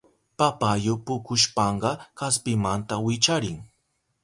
Papayu pukushpanka kaspimanta wicharin.